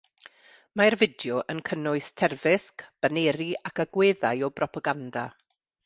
Mae'r fideo yn cynnwys terfysg, baneri ac agweddau o bropaganda.